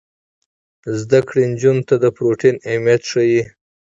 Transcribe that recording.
زده کړه نجونو ته د پروټین اهمیت ښيي.